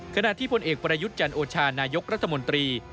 ขณะที่พลเอกประยุทธ์จันโอชานายกรัฐมนตรี